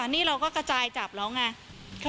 นี่เราก็กระจายจับแล้วไง